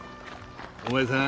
お前さん